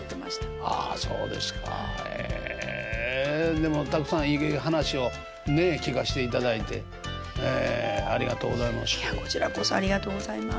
でもたくさんいい話をねえ聞かしていただいてありがとうございます。